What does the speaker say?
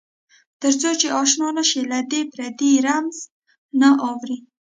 تر څو چې آشنا نه شې له دې پردې رمز نه اورې.